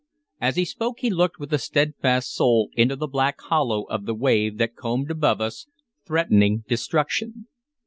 As he spoke he looked with a steadfast soul into the black hollow of the wave that combed above us, threatening destruction.